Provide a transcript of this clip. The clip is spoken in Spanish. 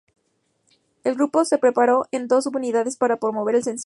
El grupo se separó en dos sub-unidades para promover el sencillo.